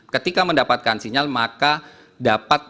ketika mendapatkan sinyal maka dapat